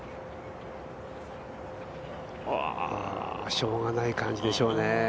しようがない感じでしょうね。